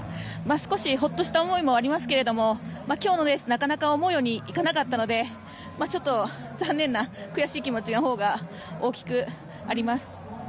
少しほっとした思いもありますけど今日のレースなかなか思うようにいかなかったのでちょっと残念な悔しい気持ちのほうが大きくあります。